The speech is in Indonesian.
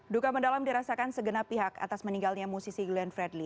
duka mendalam dirasakan segenap pihak atas meninggalnya musisi glenn fredly